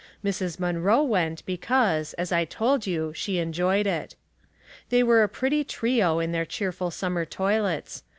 Mrs. Munroe went because, as I told you, she enjoyed it. They were a pretty trio in their cheerful summer toilets.